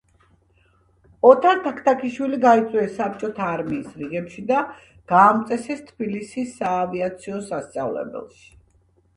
ოთარ თაქთაქიშვილი გაიწვიეს საბჭოთა არმიის რიგებში და გაამწესეს თბილისის საავიაციო სასწავლებელში.